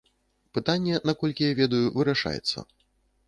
Пытанне, наколькі я ведаю, вырашаецца.